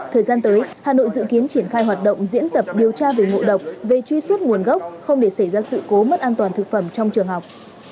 thời gian tới hà nội dự kiến triển khai hoạt động diễn tập điều tra về ngộ độc về truy xuất nguồn gốc không để xảy ra sự cố mất an toàn thực phẩm trong trường học